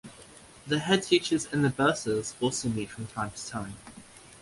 The Headteachers and the Bursars also meet from time to time.